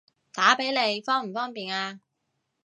打畀你方唔方便啊？